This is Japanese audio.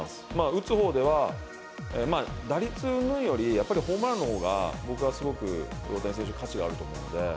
打つほうでは、打率うんぬんより、やっぱりホームランのほうが、僕はすごく大谷選手価値があると思うので。